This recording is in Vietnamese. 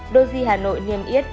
đô di hà nội niêm yết